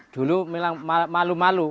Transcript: dulu bilang malu malu